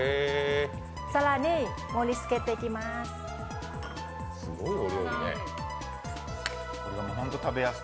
更に盛りつけていきます。